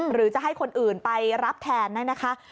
หรือจะให้คนอื่นไปรับแทนเนี่ยนะคะ